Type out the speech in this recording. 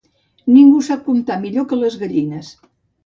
Ningú sap comptar millor que les gallines.